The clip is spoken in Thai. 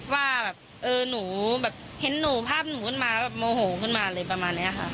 ว่าแบบเออหนูแบบเห็นหนูภาพหนูขึ้นมาแล้วแบบโมโหขึ้นมาเลยประมาณนี้ค่ะ